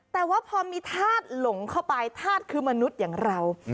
แต่ว่าพอมีธาตุหลงเข้าไปธาตุคือมนุษย์อย่างเรา